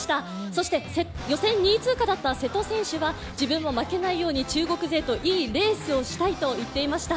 そして予選２位通過だった瀬戸選手は自分も負けないように中国勢といいレースをしたいと言っていました。